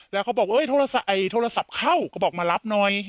แล้วเขาบอกเอ้ยโทรศัพท์เดี๋ยวโทรศัพท์เข้าก็บอกมารับหน่อย